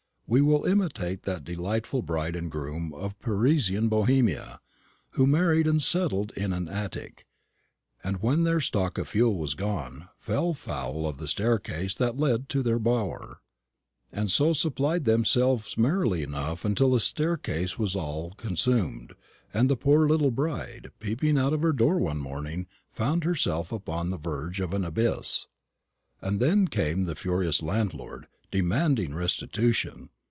We will imitate that delightful bride and bridegroom of Parisian Bohemia, who married and settled in an attic, and when their stock of fuel was gone fell foul of the staircase that led to their bower, and so supplied themselves merrily enough till the staircase was all consumed, and the poor little bride, peeping out of her door one morning, found herself upon the verge of an abyss. "And then came the furious landlord, demanding restitution.